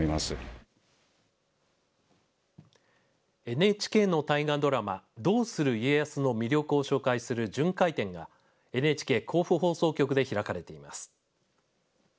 ＮＨＫの大河ドラマどうする家康の魅力を紹介する巡回展がＮＨＫ甲府放送局で開かれています。